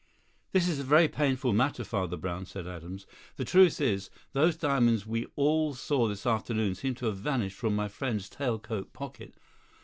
"This is a very painful matter, Father Brown," said Adams. "The truth is, those diamonds we all saw this afternoon seem to have vanished from my friend's tail coat pocket.